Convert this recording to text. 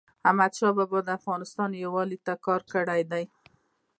احمدشاه بابا د افغانستان یووالي ته کار کړی دی.